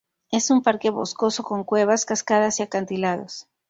Es un parque boscoso con cuevas, cascadas y acantilados.